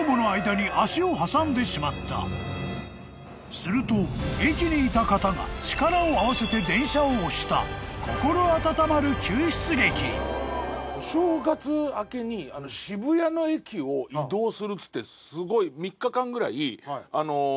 ［すると駅にいた方が力を合わせて電車を押した心温まる］お正月明けに渋谷の駅を移動するっつってすごい３日間ぐらい電車止めたりとかしてたの。